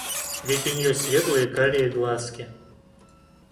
Ведь у нее светлые карие глазки.